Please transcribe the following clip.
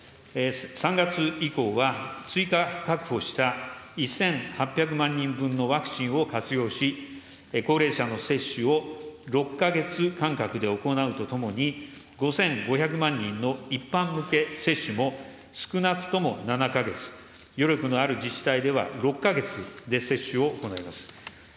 ３月以降は、追加確保した１８００万人分のワクチンを活用し、高齢者の接種を６か月間隔で行うとともに、５５００万人の一般向け接種も、少なくとも７か月、余力のある自治体では６か月で接種を行います。